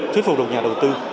thuyết phục được nhà đầu tư